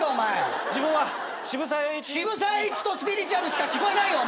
渋沢栄一とスピリチュアルしか聞こえないよ